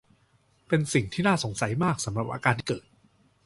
เป็นสิ่งน่าสงสัยมากสำหรับอาการที่เกิด